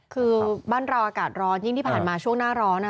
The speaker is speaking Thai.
คือบ้านเราอากาศร้อนยิ่งที่ผ่านมาช่วงหน้าร้อน